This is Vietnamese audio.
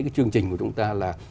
cái chương trình của chúng ta là